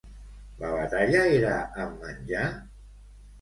La batalla era amb menjar?